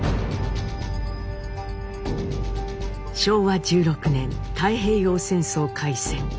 昭和１６年太平洋戦争開戦。